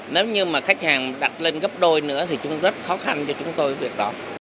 nếu như mà khách hàng đặt lên gấp đôi nữa thì chúng rất khó khăn cho chúng tôi việc đó